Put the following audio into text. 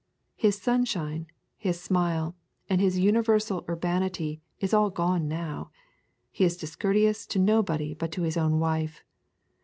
His sunshine, his smile, and his universal urbanity is all gone now; he is discourteous to nobody but to his own wife.